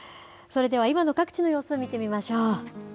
それでは、今の各地の様子、見てみましょう。